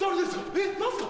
えっ何すか？